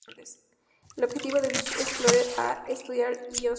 El objetivo de Beacon Explorer-A era estudiar la ionosfera terrestre.